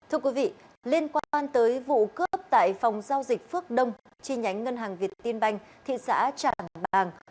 thưa quý vị liên quan tới vụ cướp tại phòng giao dịch phước đông chi nhánh ngân hàng việt tiên banh thị xã trảng bàng